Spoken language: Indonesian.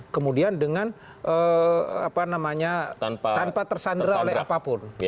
kemudian dengan apa namanya tanpa tersandera oleh apapun